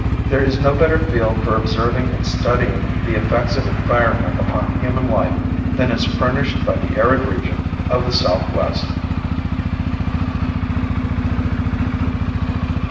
There is no better field for observing and studying the effects of environment upon human life than is furnished by the arid region of the southwest.